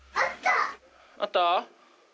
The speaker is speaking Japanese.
あった？